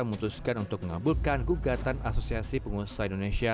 memutuskan untuk mengabulkan gugatan asosiasi pengusaha indonesia